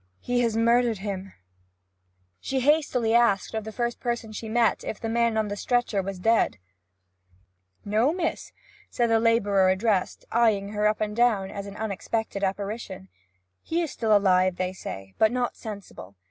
'He has murdered him!' Running forward to the door, she hastily asked of the first person she met if the man on the stretcher was dead. 'No, miss,' said the labourer addressed, eyeing her up and down as an unexpected apparition. 'He is still alive, they say, but not sensible.